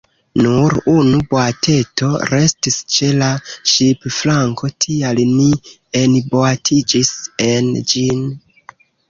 Nur unu boateto restis ĉe la ŝipflanko, tial ni enboatiĝis en ĝin.